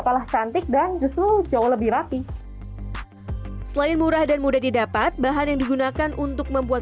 malah cantik dan justru jauh lebih rapi selain murah dan mudah didapat bahan yang digunakan untuk membuat